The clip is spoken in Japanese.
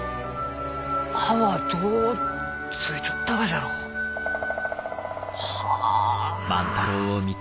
葉はどうついちょったがじゃろう？はあ。